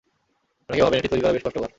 অনেকেই ভাবেন, এটি তৈরি করা বেশ কষ্টকর।